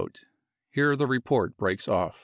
(Here the report breaks off).